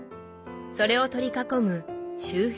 それを取り囲む「周辺」。